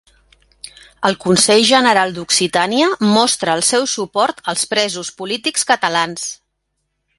El Consell General d'Occitània mostra el seu suport als presos polítics catalans